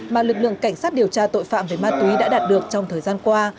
mà lực lượng cảnh sát điều tra tội phạm về ma túy đã đạt được trong thời gian qua